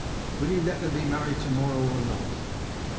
Will you let them be married to morrow or not?"